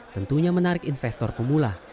tentunya menarik investor pemula